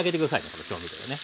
この調味料ね。